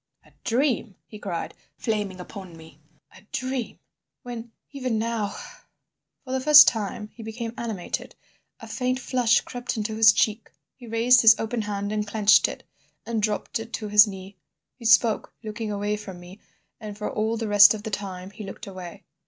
"A dream!" he cried, flaming upon me, "a dream—when, even now—" For the first time he became animated. A faint flush crept into his cheek. He raised his open hand and clenched it, and dropped it to his knee. He spoke, looking away from me, and for all the rest of the time he looked away.